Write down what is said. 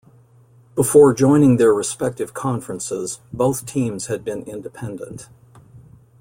Before joining their respective conferences, both teams had been independent.